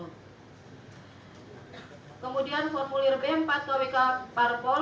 hai kemudian formulir b empat wk parpol